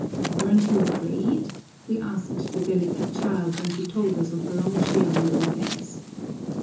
"Weren't you afraid?" we asked the delicate child, when she told us of her own share in the defense.